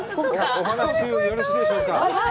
お話中、よろしいでしょうか？